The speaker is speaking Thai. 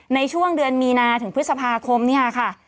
ในช่วงเดือนมีนาถึงพฤษภาคมเนี่ยค่ะ